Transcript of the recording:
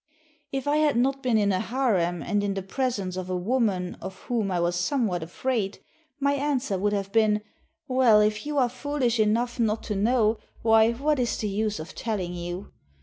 If I had not been in a harem, and in the presence of a woman of whom I was somewhat afraid, my answer would have been, "Well, if you are foolish enough not to know, why, what is the use of teUing you?"